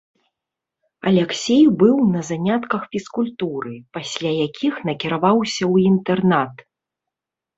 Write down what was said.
Аляксей быў на занятках фізкультуры, пасля якіх накіраваўся ў інтэрнат.